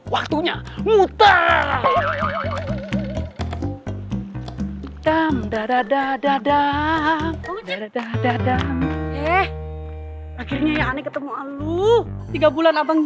waktunya muter dan dadadadada dadadadada eh akhirnya yang ketemu aluh tiga bulan abang